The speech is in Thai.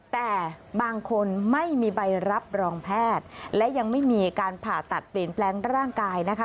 แต่บางคนไม่มีใบรับรองแพทย์และยังไม่มีการผ่าตัดเปลี่ยนแปลงร่างกายนะคะ